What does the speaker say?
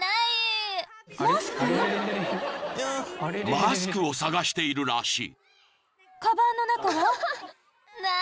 ［マスクを捜しているらしい］